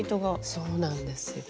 そうなんです。